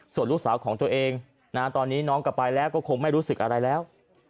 ส่วนลูกสาวของตัวเองตอนนี้น้องกลับไปแล้วก็คงไม่รู้สึกอะไรแล้ว